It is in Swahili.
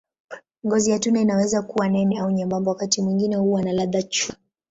Ngozi ya tunda inaweza kuwa nene au nyembamba, wakati mwingine huwa na ladha chungu.